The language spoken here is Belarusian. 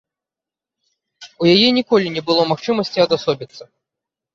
У яе ніколі не было магчымасці адасобіцца.